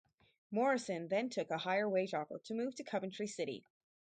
Morrison then took a higher wage offer to move to Coventry City.